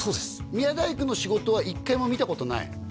宮大工の仕事は１回も見たことない？